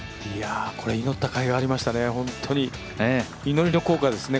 祈ったかいがありましたね、祈りの効果ですね。